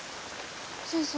先生。